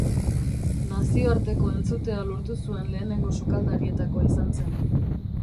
Nazioarteko entzutea lortu zuen lehenengo sukaldarietakoa izan zen.